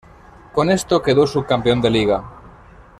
Con esto quedó subcampeón de liga.